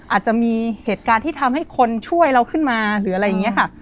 อาจจะมีเหตุการณ์ที่ทำให้คนช่วยเราขึ้นมาหรืออะไรอย่างนี้ค่ะ